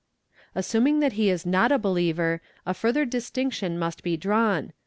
. Assuming that he is not a believer a further distinction must be drawn.